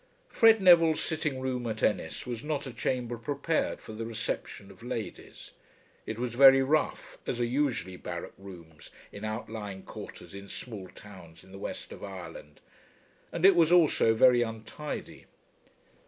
Fred Neville's sitting room at Ennis was not a chamber prepared for the reception of ladies. It was very rough, as are usually barrack rooms in outlying quarters in small towns in the west of Ireland, and it was also very untidy.